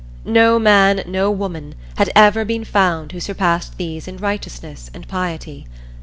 No man, no woman, had ever been found who surpassed these in righteousness and piety.